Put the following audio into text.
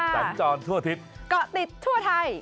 สัญจรทั่วอาทิตย์เกาะติดทั่วไทย